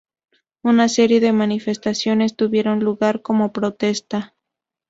Una serie de manifestaciones tuvieron lugar como protesta.